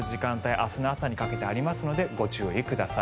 明日の朝にかけてありますのでご注意ください。